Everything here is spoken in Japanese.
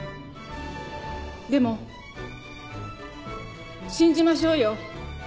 でも信じましょうよ。